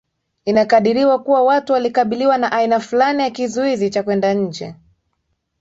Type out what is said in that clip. Inakadiriwa kuwa watu walikabiliwa na aina fulani ya kizuizi cha kwenda nje